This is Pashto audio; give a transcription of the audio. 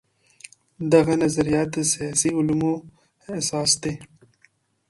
دغه نظريات د سياسي علومو اساس دي.